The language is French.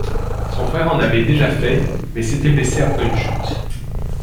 Son frère en avait déjà fait mais s'était blessé après une chute.